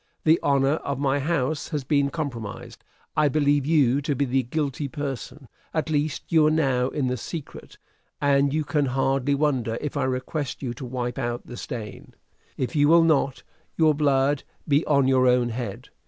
The honor of my house has been compromised; I believe you to be the guilty person; at least you are now in the secret; and you can hardly wonder if I request you to wipe out the stain. If you will not, your blood be on your own head!